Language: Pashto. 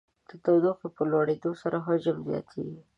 د تودوخې په لوړېدو سره حجم زیاتیږي.